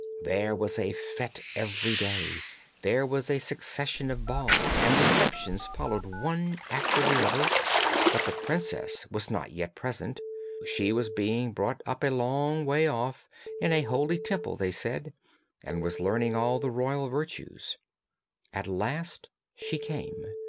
There was a fête every day, there was a succession of balls, and receptions followed one after the other, but the princess was not yet present; she was being brought up a long way off, in a holy Temple they said, and was learning all the royal virtues. At last she came.